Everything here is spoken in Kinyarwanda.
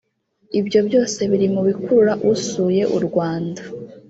Ibyo byose biri mu bikurura usuye u Rwanda